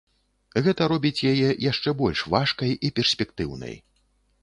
Гэта робіць яе яшчэ больш важкай і перспектыўнай.